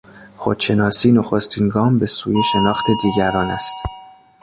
خودشناسی نخستین گام به سوی شناخت دیگران است.